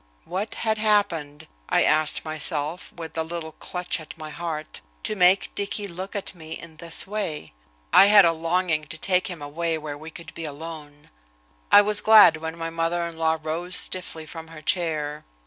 "What had happened," I asked myself, with a little clutch at my heart, "to make Dicky look at me in this way?" I had a longing to take him away where we could be alone. I was glad when my mother in law rose stiffly from her chair.